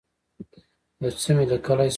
یو څه مي لیکلای شوای.